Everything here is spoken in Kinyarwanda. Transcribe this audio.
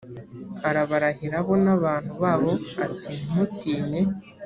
arabarahira bo n abantu babo ati ntimutinye